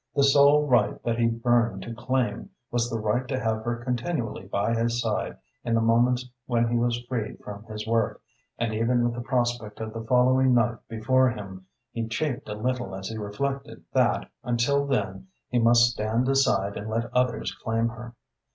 The sole right that he burned to claim was the right to have her continually by his side in the moments when he was freed from his work, and even with the prospect of the following night before him, he chafed a little as he reflected that until then he must stand aside and let others claim her.